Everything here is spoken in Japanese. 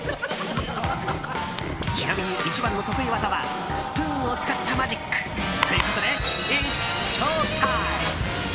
ちなみに一番の得意技はスプーンを使ったマジック。ということでイッツショータイム！